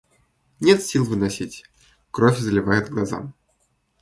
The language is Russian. Нет сил выносить, кровь заливает глаза.